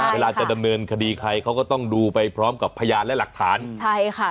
เวลาจะดำเนินคดีใครเขาก็ต้องดูไปพร้อมกับพยานและหลักฐานใช่ค่ะ